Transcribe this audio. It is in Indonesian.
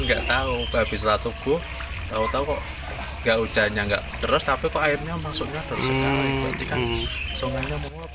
nggak tau abis saat subuh kalau tau kok nggak hujannya nggak deras tapi kok airnya masuknya terus